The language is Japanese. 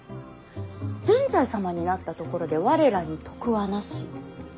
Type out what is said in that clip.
善哉様になったところで我らに得はなし。